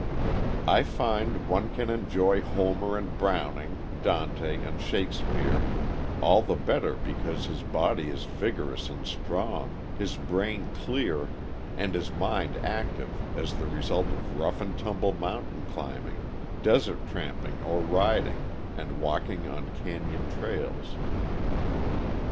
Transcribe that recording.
I find one can enjoy Homer, and Browning, Dante, and Shakspere, all the better because his body is vigorous and strong, his brain clear, and his mind active as the result of rough and tumble mountain climbing, desert tramping or riding, and walking on canyon trails.